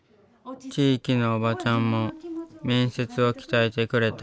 地域のおばちゃんも面接を鍛えてくれた。